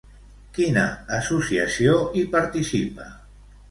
Quina associació hi participa?